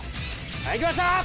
はい行きました！